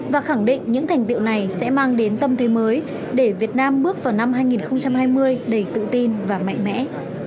và khẳng định những thành tiệu này sẽ mang đến tâm thế mới để việt nam bước vào năm hai nghìn hai mươi đầy tự tin và mạnh mẽ